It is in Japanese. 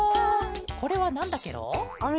これはなんだケロ？